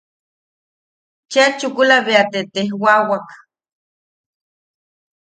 Cheʼa chukula bea te tejwawak: